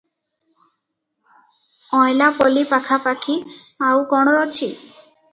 ଅଁଏଲାପଲି ପାଖାପାଖି ଆଉ କଣ ଅଛି?